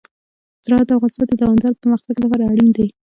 زراعت د افغانستان د دوامداره پرمختګ لپاره اړین دي.